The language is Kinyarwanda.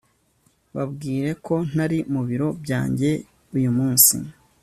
babwire ko ntari mu biro byanjye uyu munsi